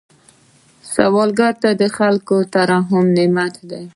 سوالګر ته د خلکو ترحم نعمت دی